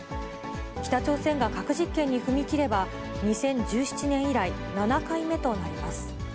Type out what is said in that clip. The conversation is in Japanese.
北朝鮮が核実験に踏み切れば、２０１７年以来、７回目となります。